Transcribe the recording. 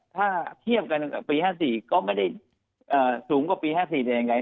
ถ้าเทียบกันปีห้าสี่ก็ไม่ได้อ่าสูงกว่าปีห้าสี่ได้ยังไง